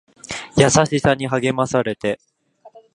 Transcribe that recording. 優しさに励まされて